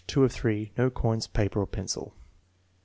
of 3. No coins, paper, or pencil.)